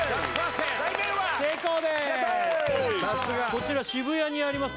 こちら渋谷にあります